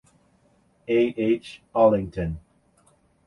A. H. Allington.